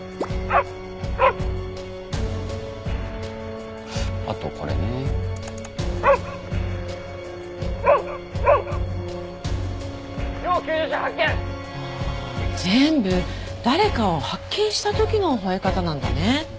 ああ全部誰かを発見した時の吠え方なんだね。